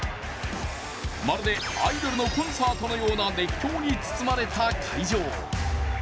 まるでアイドルのコンサートのような熱狂に包まれた会場。